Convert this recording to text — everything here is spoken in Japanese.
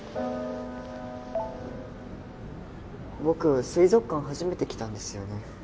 僕水族館初めて来たんですよね。